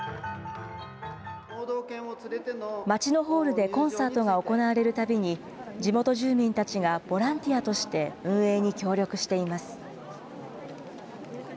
町のホールでコンサートが行われるたびに、地元住民たちがボランティアとして運営に協力しています。